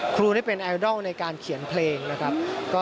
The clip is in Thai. ครูนี่เป็นไอดอลในการเขียนเพลงนะครับ